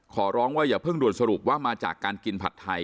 ขอร้องว่าอย่าเพิ่งด่วนสรุปว่ามาจากการกินผัดไทย